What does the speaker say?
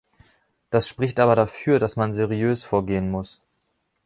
Das spricht aber dafür, dass man seriös vorgehen muss.